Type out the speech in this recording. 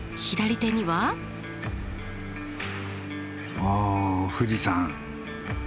お富士山。